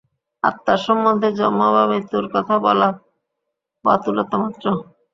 আত্মার সম্বন্ধে জন্ম বা মৃত্যুর কথা বলা বাতুলতা মাত্র।